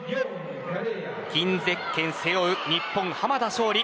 金ゼッケンを背負う日本、濱田尚里